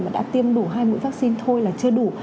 mà đã tiêm đủ hai mũi vaccine thôi là chưa đủ